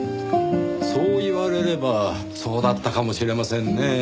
そう言われればそうだったかもしれませんねぇ。